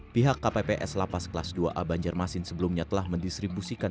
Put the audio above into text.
pihak kpps lapas kelas dua a banjarmasin sebelumnya telah mendistribusikan